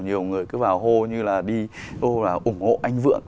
nhiều người cứ vào hô như là đi ô là ủng hộ anh vượng